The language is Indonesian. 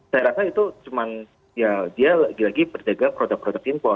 saya rasa itu cuma ya dia lagi lagi berdagang produk produk impor